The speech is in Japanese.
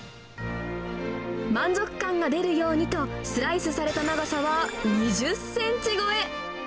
満足感が出るようにと、スライスされた長さは２０センチ超え。